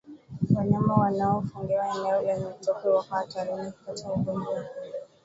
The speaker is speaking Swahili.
Wanyama wanaofungiwa eneo lenye tope wako hatarini kupata ugonjwa huu